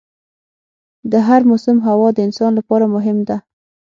د هر موسم هوا د انسان لپاره مهم ده.